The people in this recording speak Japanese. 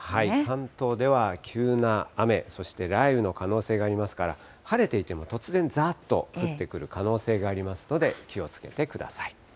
関東では急な雨、そして雷雨の可能性がありますから、晴れていても突然、ざーっと降ってくる可能性がありますので、気をつけてください。